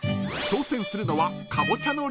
［挑戦するのは］